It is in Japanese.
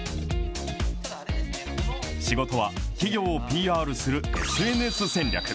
仕事は、企業をＰＲするＳＮＳ戦略。